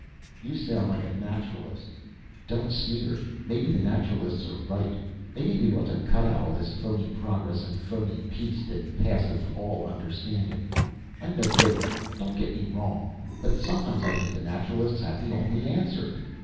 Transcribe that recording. "You sound like a Naturalist." "Don't sneer. Maybe the Naturalists are right. Maybe we ought to cut out all this phoney progress and phoney peace that passeth all understanding. I'm no liberal, don't get me wrong, but sometimes I think the Naturalists have the only answer."